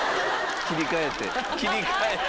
・切り替えて。